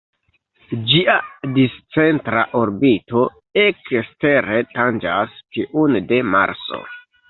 Ĝia discentra orbito ekstere tanĝas tiun de Marso.